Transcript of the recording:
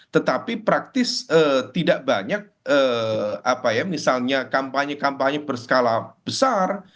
tetapi praktis tidak banyak misalnya kampanye kampanye berskala besar